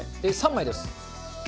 ３枚です。